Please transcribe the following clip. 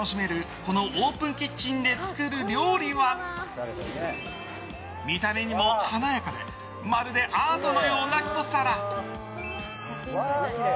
このオープンキッチンで作る料理は、見た目にも華やかでまるでアートのようなひと皿。